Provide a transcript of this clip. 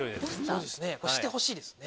そうですねしてほしいですね。